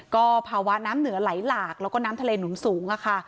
ก็ภาวะน้ำเหนือไหลหลากแล้วก็น้ำทะเลหนุนสูงค่ะ